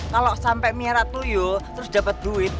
kalau sampai miara tuyul terus dapat duit